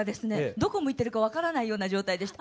どこ向いてるか分からないような状態でした。